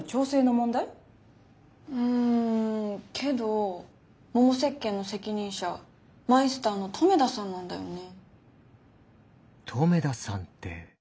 うんけどもも石鹸の責任者マイスターの留田さんなんだよね。